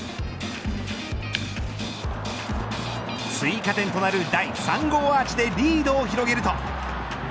追加点となる第３号アーチでリードを広げると。